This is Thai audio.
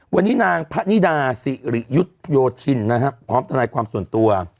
วันนี้นางพะนิดาสิริยุทธโยธินนะครับพร้อมทนายความส่วนตัว